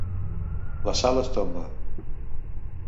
La Sal es tomba.